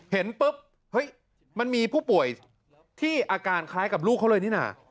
เห็นปุ๊บเฮ้ยมันมีผู้ป่วยที่อาการคล้ายกับลูกเขาเลยนี่น่ะ